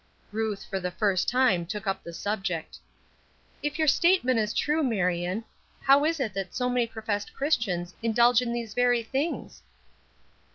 Ruth, for the first time, took up the subject: "If your statement is true, Marion, how is it that so many professed Christians indulge in these very things?"